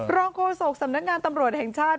โฆษกสำนักงานตำรวจแห่งชาติ